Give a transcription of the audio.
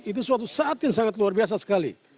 itu suatu saat yang sangat luar biasa sekali